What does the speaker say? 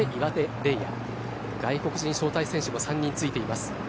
玲亜外国人招待選手も３人ついています。